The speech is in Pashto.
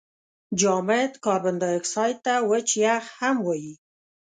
جامد کاربن دای اکساید ته وچ یخ هم وايي.